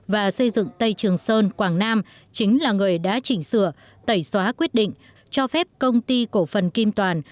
và xây dựng tây trường sơn quảng nam chính là người đã chỉnh sửa tẩy xóa quyết định cho phép công ty cổ phần kim toàn